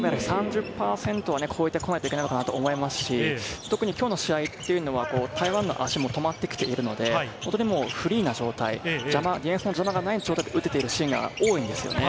３０％は超えてこないといけないかなと思いますし、特に今日の試合は台湾の足も止まってきているので、フリーな状態、ディフェンスの邪魔がない状態で打てているシーンが多いんですよね。